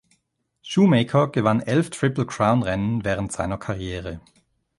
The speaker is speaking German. Shoemaker gewann elf Triple Crown Rennen während seiner Karriere.